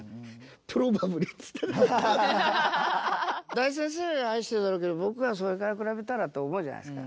大先生は愛してるだろうけど僕はそれから比べたらと思うじゃないですか。